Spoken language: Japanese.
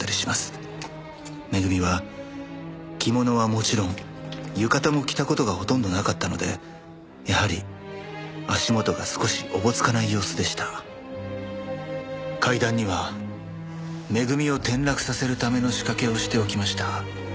「めぐみは着物はもちろん浴衣も着た事がほとんどなかったのでやはり足元が少しおぼつかない様子でした」「階段にはめぐみを転落させるための仕掛けをしておきました」